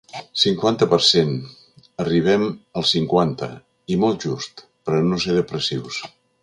Cinquanta per cent Arribem al cinquanta, i molt just, per a no ser depressius.